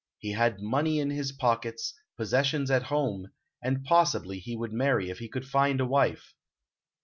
He had money in his pockets, possessions at home, and possibly he would marry if he could find a wife.